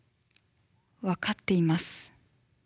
分かっています。